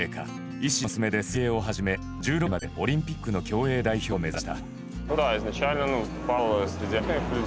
医師の勧めで水泳を始め１６歳までオリンピックの競泳代表を目指した。